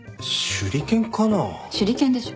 手裏剣でしょ。